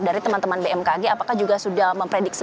dari teman teman bmkg apakah juga sudah memprediksi